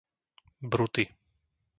Bruty